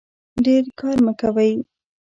ډیر کار مه کوئ